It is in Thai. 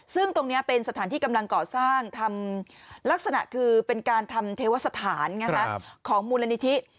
ซึ่งตรงนี้เป็นสถานที่กำลังก่อสร้างทำลักษณะคือเป็นการทำเทวสถานของมูลนิธิ